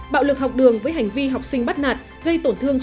bạo lực học đường với hành vi học sinh bắt nạt gây tổn thương